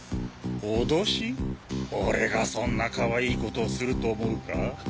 俺がそんなかわいいことをすると思うか？